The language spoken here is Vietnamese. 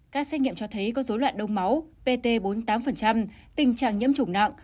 các xét nghiệm cho thấy có dối loạn đông máu pt bốn mươi tám tình trạng nhiễm chủng nặng